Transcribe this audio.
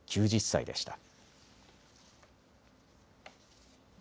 ９０歳でした。